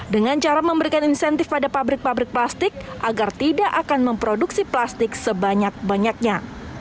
dengan cara memberikan insentif pada pabrik pabrik plastik agar tidak akan memproduksi plastik sebanyak banyaknya